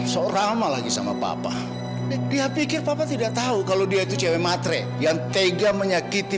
sorama lagi sama papa dia pikir papa tidak tahu kalau dia itu cewek matre yang tega menyakiti